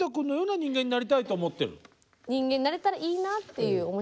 人間になれたらいいなっていう面白いなっていう。